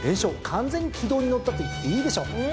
完全に軌道に乗ったと言っていいでしょう。